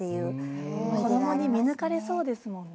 こどもに見抜かれそうですもんね。